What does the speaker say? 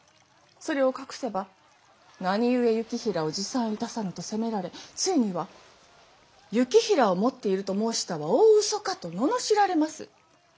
それを隠せば「何ゆえ行平を持参いたさぬ」と責められついには「行平を持っていると申したは大嘘か」と罵られます。